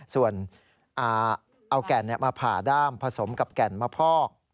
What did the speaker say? ส่วนเอาแก่นมาผ่าด้ามผสมกับแก่นมาพอก